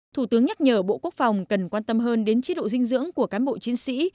thủ tướng nhắc nhở bộ quốc phòng cần quan tâm hơn đến chế độ dinh dưỡng của cán bộ chiến sĩ